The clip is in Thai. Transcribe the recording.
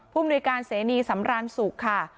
ผู้อำนวยการเสนีสำรานสุกค่ะ